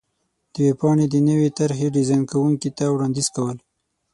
-د ویبپاڼې د نوې طر حې ډېزان کوونکي ته وړاندیز کو ل